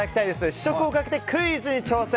試食をかけてクイズに挑戦。